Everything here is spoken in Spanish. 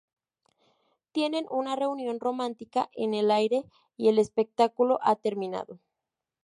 Tienen una reunión romántica en el aire, y el espectáculo ha terminado.